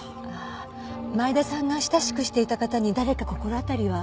前田さんが親しくしていた方に誰か心当たりは？